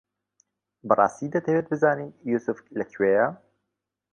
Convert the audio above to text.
بەڕاستی دەتەوێت بزانیت یووسف لەکوێیە؟